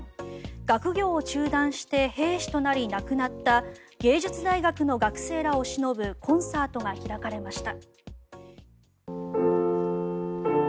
学業を中断して兵士となり亡くなった芸術大学の学生らをしのぶコンサートが開かれました。